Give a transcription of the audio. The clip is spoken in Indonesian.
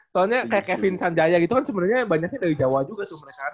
soalnya kayak kevin sanjaya gitu kan sebenarnya banyaknya dari jawa juga tuh mereka